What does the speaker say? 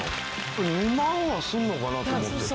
俺２万はするのかなと思ってた。